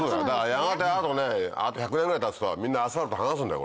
やがてあと１００年くらいたつとみんなアスファルト剥がすんだよ。